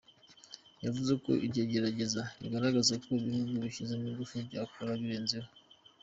Yavuze ko iryo gerageza rigaragaza ko ibihugu bishyizemo ingufu byakora ibirenzeho.